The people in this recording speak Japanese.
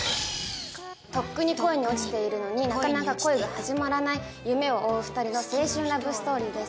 とっくに恋に落ちているのになかなか恋が始まらない夢を追う２人の青春ラブストーリーです